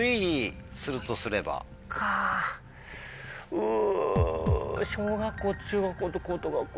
う小学校中学校と高等学校。